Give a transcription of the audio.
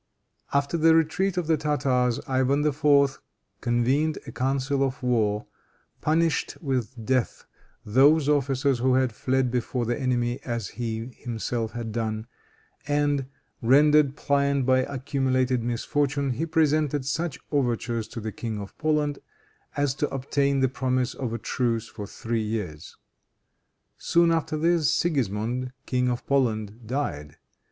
After the retreat of the Tartars, Ivan IV. convened a council of war, punished with death those officers who had fled before the enemy as he himself had done; and, rendered pliant by accumulated misfortune, he presented such overtures to the King of Poland as to obtain the promise of a truce for three years. Soon after this, Sigismond, King of Poland, died.